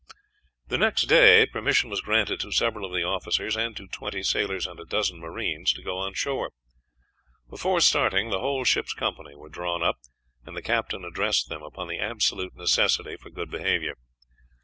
The next day permission was granted to several of the officers and to twenty sailors and a dozen marines to go on shore. Before starting, the whole ship's company were drawn up, and the captain addressed them upon the absolute necessity for good behavior.